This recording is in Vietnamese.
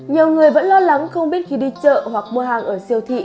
nhiều người vẫn lo lắng không biết khi đi chợ hoặc mua hàng ở siêu thị